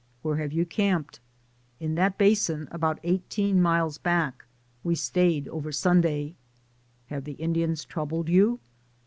"Where have you camped ?" "In that basin about eighteen miles back. We stayed over Sunday." "Have the Indians troubled you?"